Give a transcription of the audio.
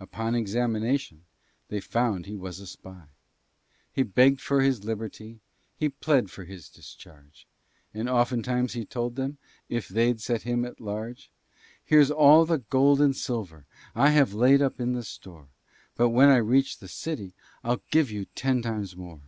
Upon examination They found he was a spy. He beggèd for his liberty, He plead for his discharge, And oftentimes he told them, If they'd set him at large, "Here's all the gold and silver I have laid up in store, But when I reach the city, I'll give you ten times more."